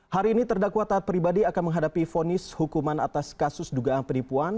hari ini terdakwa taat pribadi akan menghadapi fonis hukuman atas kasus dugaan penipuan